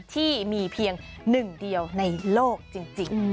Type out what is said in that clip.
ที่มีเพียงหนึ่งเดียวในโลกจริง